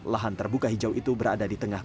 lahan terbuka hijau itu berada di tengah